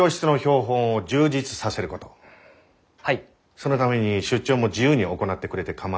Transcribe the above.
そのために出張も自由に行ってくれて構わない。